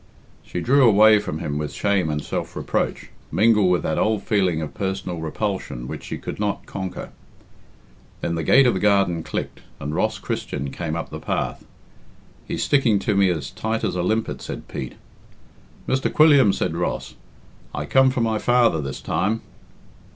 She drew away from him with shame and self reproach, mingled with that old feeling of personal repulsion which she could not conquer. Then the gate of the garden clicked, and Ross Christian came up the path. "He's sticking to me as tight as a limpet," said Pete. "Mr. Quilliam," said Ross, "I come from my father this time."